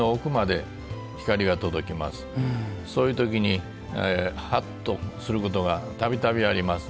そういう時にハッとすることが度々あります。